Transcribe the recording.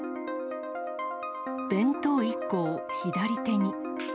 弁当１個を左手に。